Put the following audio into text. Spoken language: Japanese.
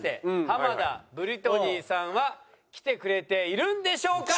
浜田ブリトニーさんは来てくれているんでしょうか？